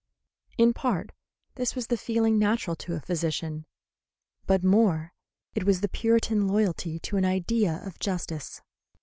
In part this was the feeling natural to a physician, but more it was the Puritan loyalty to an idea of justice.